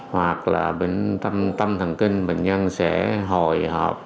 hoặc là bên tâm thần kinh bệnh nhân sẽ hồi hộp